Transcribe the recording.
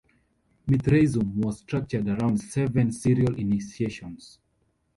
Mithraism was structured around seven serial initiations.